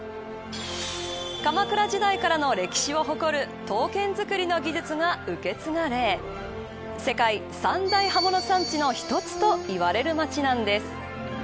鎌倉時代からの歴史を誇る刀剣づくりの技術が受け継がれ世界三大刃物産地の一つといわれる街なんです。